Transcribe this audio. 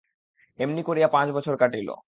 এমনি করিয়া পাঁচ বছর কাটিল।